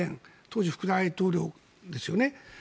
当時、副大統領ですよね。